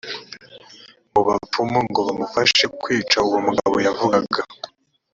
mu bapfumu ngo bamufashe kwica uwo mugabo yavugaga